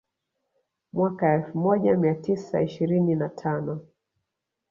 Mwaka elfu moja mia tisa ishirini na tano